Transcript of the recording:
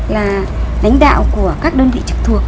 là lãnh đạo của các đơn vị trực thuộc